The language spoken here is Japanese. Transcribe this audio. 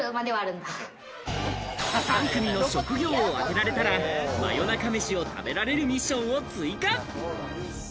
３組の職業を当てられたら真夜中メシを食べられるミッションを追加。